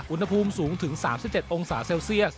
อุณหภูมิสูงถึง๓๗องศาเซลเซียส